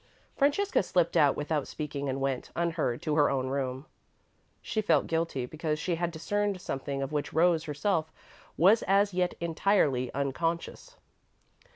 Francesca slipped out without speaking and went, unheard, to her own room. She felt guilty because she had discerned something of which Rose herself was as yet entirely unconscious.